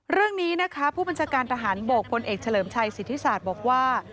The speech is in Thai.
เรื่องนี้นะคะผู้บัญชาการทหารบกพลเอกเฉลิมชัยสิทธิศาสตร์บอกว่า